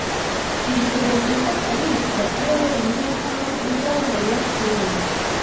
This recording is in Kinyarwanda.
Ntekereza ko kalisa ariwe wenyine hano uzi aho Mariya atuye.